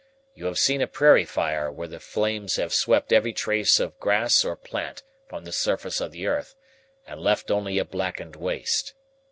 You have seen a prairie fire where the flames have swept every trace of grass or plant from the surface of the earth and left only a blackened waste.